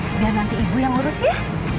biar nanti ibu yang urus ya